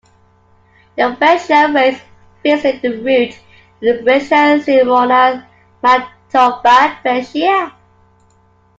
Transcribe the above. The Brescia race visited the route Brescia-Cremona-Mantova-Brescia.